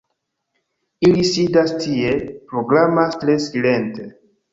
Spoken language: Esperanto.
Ili sidas tie, programas tre silente